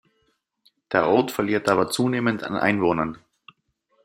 Der Ort verliert aber zunehmend an Einwohnern.